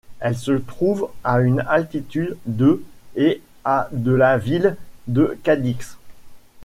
Elle se trouve à une altitude de et à de la ville de Cadix.